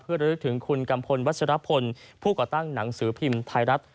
เพื่อระลึกถึงคุณกัมพลวัชรพลผู้ก่อตั้งหนังสือพิมพ์ไทยรัฐ